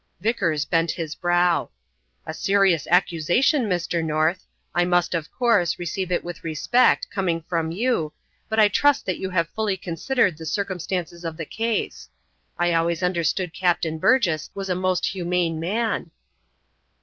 Vickers bent his brow. "A serious accusation, Mr. North. I must, of course, receive it with respect, coming from you, but I trust that you have fully considered the circumstances of the case. I always understood Captain Burgess was a most humane man."